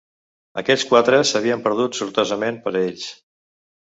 Aquells quatre s'havien perdut, sortosament per a ells